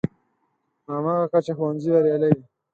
په هماغه کچه ښوونځی بریالی وي.